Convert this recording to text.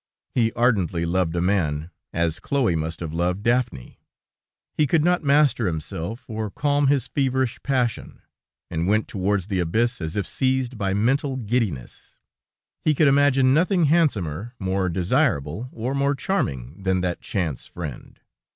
He ardently loved a man, as Chloe must have loved Daphnis. He could not master himself, or calm his feverish passion, and went towards the abyss as if seized by mental giddiness. He could imagine nothing handsomer, more desirable, or more charming than that chance friend.